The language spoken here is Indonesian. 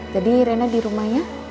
jadi rena di rumahnya